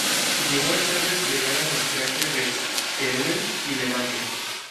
Llegó a estar desplegada en los frentes de Teruel y Levante.